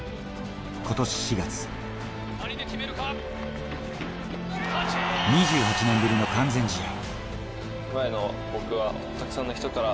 今年４月、２８年ぶりの完全試合。